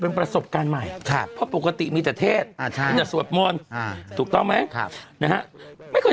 เป็นประสบการณ์ใหม่ครับพอปกติมีจะเทศอาจารย์สวบมอลถูกต้องไหมครับนะฮะไม่เคย